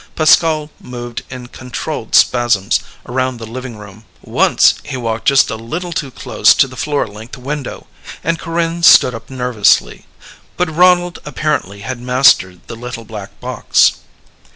Pascal moved in controlled spasms around the living room. Once, he walked just a little too close to the floor length window and Corinne stood up nervously. But Ronald apparently had mastered the little black box.